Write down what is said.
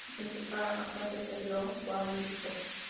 Su principal afluente es el río Guárico.